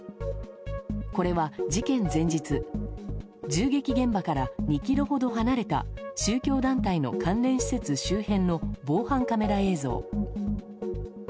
これは事件前日、銃撃現場から２ｋｍほど離れた宗教団体の関連施設周辺の防犯カメラ映像。